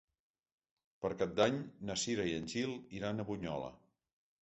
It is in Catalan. Per Cap d'Any na Cira i en Gil iran a Bunyola.